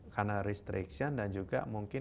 karena restriction dan juga mungkin